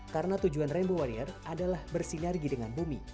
karena tujuan rainbow warrior adalah bersinergi dengan bumi